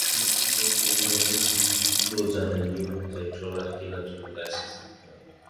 সামুদ্রিক মৎস্য অধিদপ্তর সূত্র জানায়, নিয়ম অনুযায়ী ট্রলার কেনার জন্য লাইসেন্স থাকতে হয়।